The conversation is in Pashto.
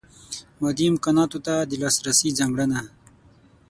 مادي امکاناتو ته د لاسرسۍ ځانګړنه.